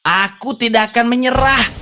aku tidak akan menyerah